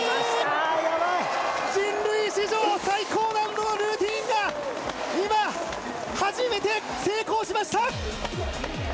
人類史上最高難度のルーティンが今、初めて成功しました！